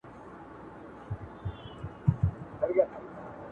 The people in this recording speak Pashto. زما د ماتو ماتو شونډو مسکا